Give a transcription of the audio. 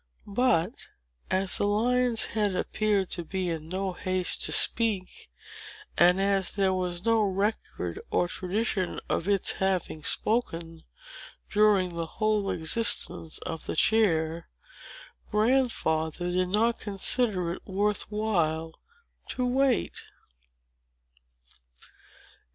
But, as the lion's head appeared to be in no haste to speak, and as there was no record or tradition of its having spoken, during the whole existence of the chair, Grandfather did not consider it worth while to wait.